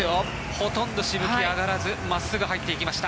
ほとんどしぶきが上がらずまっすぐ入っていきました。